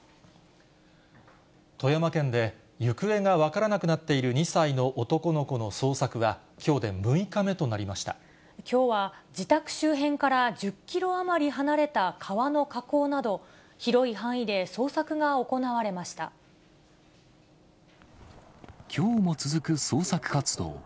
富山県で、行方が分からなくなっている２歳の男の子の捜索は、きょうで６日きょうは自宅周辺から１０キロ余り離れた川の河口など、きょうも続く捜索活動。